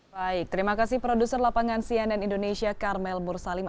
baik terima kasih produser lapangan cnn indonesia karmel mursalim